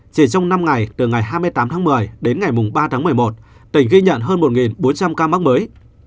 chỉ trong năm ngày từ ngày hai mươi tám tháng một mươi đến ngày ba tháng một mươi một tỉnh ghi nhận hơn một bốn trăm linh ca mắc mới